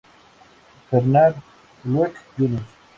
Bernard Glueck, Jr.